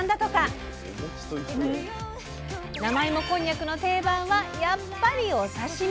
生芋こんにゃくの定番はやっぱりお刺身！